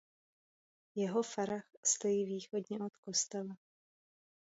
Jeho fara stojí východně od kostela.